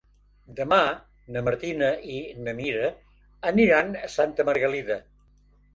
Demà na Martina i na Mira aniran a Santa Margalida.